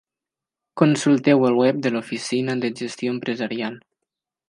Consulteu el web de l'Oficina de Gestió Empresarial.